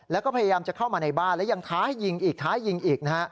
แล้วก็พยายามจะเข้ามาในบ้านแล้วยังท้ายิงอีกท้ายิงอีกนะฮะ